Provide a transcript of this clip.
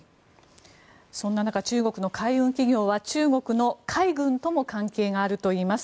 そんな中中国の海運企業は中国の海軍とも関係があるといいます。